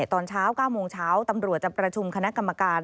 ตอนเช้า๙โมงเช้าตำรวจจะประชุมคณะกรรมการ